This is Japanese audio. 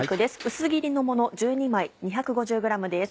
薄切りのもの１２枚２５０ｇです。